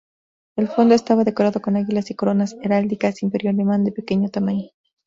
El fondo estaba decorado con águilas y coronas heráldicas Imperio Alemán, de pequeño tamaño.